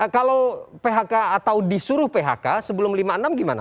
kalau phk atau disuruh phk sebelum lima puluh enam gimana